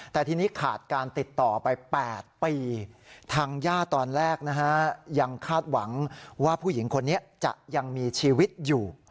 แต่ทีนี้ขาดการติดต่อไป๘ปีทางย่าตอนแรกนะฮะยังคาดหวังว่าผู้หญิงคนนี้จะยังมีชีวิตอยู่